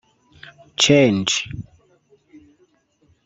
change